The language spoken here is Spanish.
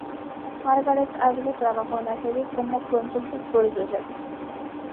Margaret Atwood trabajó en la serie como "consulting producer".